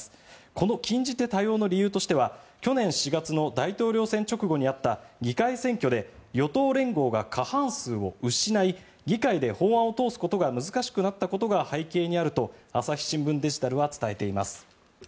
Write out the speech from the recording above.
この禁じ手多用の理由としては去年４月の大統領選直後にあった議会選挙で与党連合が過半数を失い議会で法案を通すことが難しくなったことが背景にあると朝日新聞デジタルは伝えています。